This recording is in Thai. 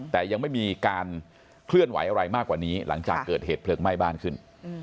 แต่ยังไม่มีการเคลื่อนไหวอะไรมากกว่านี้หลังจากเกิดเหตุเพลิงไหม้บ้านขึ้น